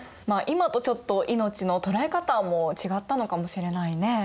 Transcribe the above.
まあ今とちょっと命の捉え方も違ったのかもしれないね。